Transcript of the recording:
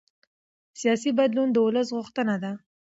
سیاسي بدلون د ولس غوښتنه ده